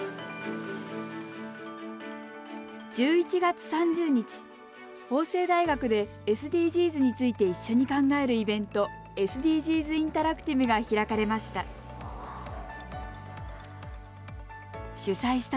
１１月３０日法政大学でＳＤＧｓについて一緒に考えるイベント「ＳＤＧｓインタラクティブ」が開かれました。